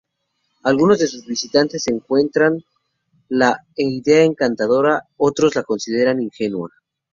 Algunos de sus visitantes encuentran la Idea encantadora, otros la consideran ingenua.